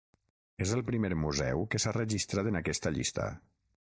És el primer museu que s'ha registrat en aquesta llista.